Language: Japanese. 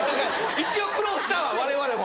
一応苦労したわれわれも。